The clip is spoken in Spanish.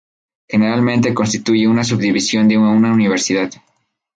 Generalmente constituye una subdivisión de una universidad.